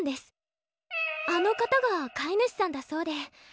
あの方が飼い主さんだそうで。